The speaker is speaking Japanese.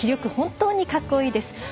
本当にかっこいいです。